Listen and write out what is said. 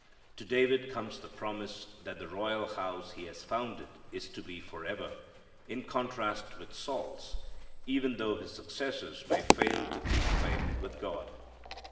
To David comes the promise that the royal house he has founded is to be forever, in contrast with Saul's, even though his successors may fail to keep faith with God.